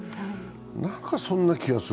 なんかそんな気がする。